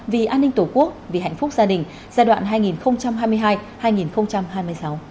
vì an ninh tổ quốc vì hạnh phúc gia đình giai đoạn hai nghìn hai mươi hai hai nghìn hai mươi sáu